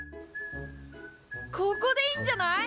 ここでいいんじゃない？